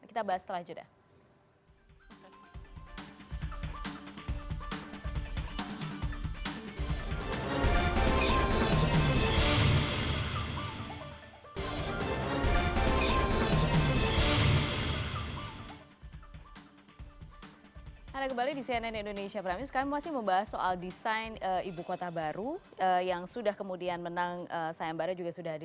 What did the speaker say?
kita bahas setelah itu dah